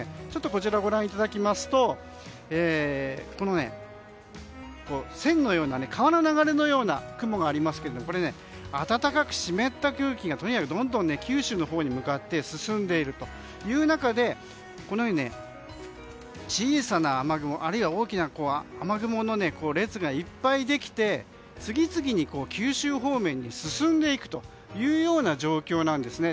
こちらをご覧いただきますと線のような、川の流れのような雲がありますけれども暖かく湿った空気がとにかくどんどん九州に向かって進んでいるという中でこのように、小さな雨雲あるいは大きな雨雲の列がいっぱいできて次々に九州方面に進んでいくような状況なんですね。